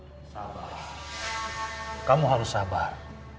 sabar kamu harus sabar